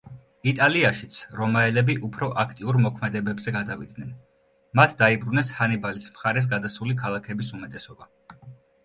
იტალიაშიც რომაელები უფრო აქტიურ მოქმედებებზე გადავიდნენ, მათ დაიბრუნეს ჰანიბალის მხარეს გადასული ქალაქების უმეტესობა.